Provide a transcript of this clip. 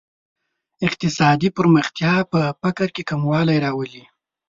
اقتصادي پرمختیا په فقر کې کموالی دی.